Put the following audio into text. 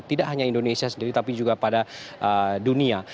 tidak hanya indonesia sendiri tapi juga pada dunia